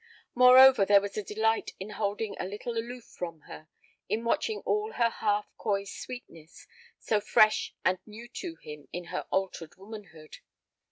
Moreover, there was a delight in holding a little aloof from her, in watching all her half coy sweetness, so fresh and new to him in her altered womanhood.